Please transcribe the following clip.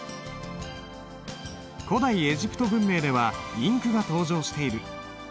古代エジプト文明ではインクが登場している。